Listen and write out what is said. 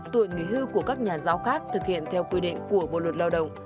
tuổi nghỉ hưu của các nhà giáo khác thực hiện theo quy định của bộ luật lao động